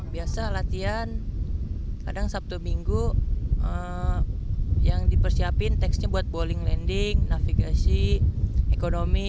biasa latihan kadang sabtu minggu yang dipersiapin teksnya buat bowling landing navigasi ekonomi